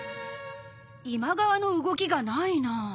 今川の動きがないな。